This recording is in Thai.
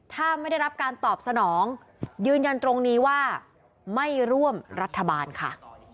ถ้าไม่ได้รับการตอบสนองยืนยันตรงนี้ว่าไม่ร่วมรัฐบาลค่ะ